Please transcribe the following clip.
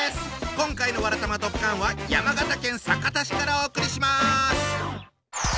今回の「わらたまドッカン」は山形県酒田市からお送りします。